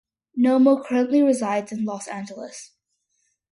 Nomo currently resides in Los Angeles.